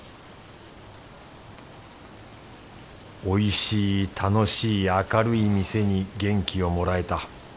おいしい楽しい明るい店に元気をもらえた。